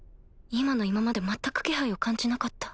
今の今まで全く気配を感じなかった